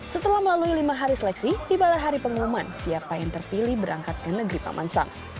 setelah melalui lima hari seleksi tibalah hari pengumuman siapa yang terpilih berangkat ke negeri paman sam